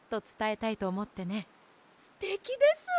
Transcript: すてきです！